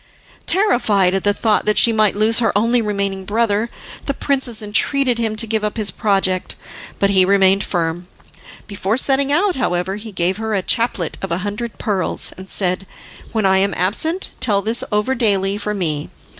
Terrified at the thought that she might lose her only remaining brother, the princess entreated him to give up his project, but he remained firm. Before setting out, however, he gave her a chaplet of a hundred pearls, and said, "When I am absent, tell this over daily for me.